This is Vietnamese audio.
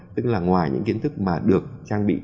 tức là ngoài những kiến thức mà được trang bị